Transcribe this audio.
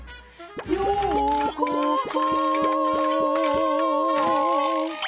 「ようこそ」